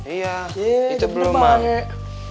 iya itu belum banget